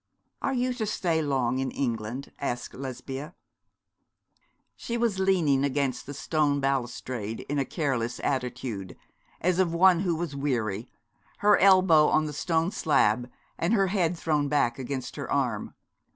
'Are you to stay long in England?' asked Lesbia. She was leaning against the stone balustrade in a careless attitude, as of one who was weary, her elbow on the stone slab, and her head thrown back against her arm.